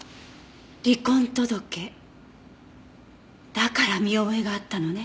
だから見覚えがあったのね。